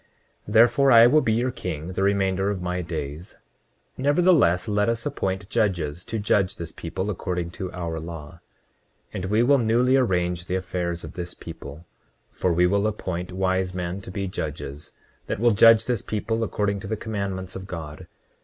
29:11 Therefore I will be your king the remainder of my days; nevertheless, let us appoint judges, to judge this people according to our law; and we will newly arrange the affairs of this people, for we will appoint wise men to be judges, that will judge this people according to the commandments of God.